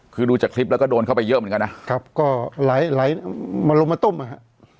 คือดูจากคลิปแล้วก็โดนเข้าไปเยอะเหมือนกันนะครับก็ไหลไหลมาลงมาตุ้มอ่ะฮะ